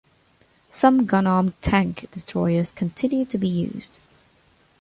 Some gun-armed tank destroyers continue to be used.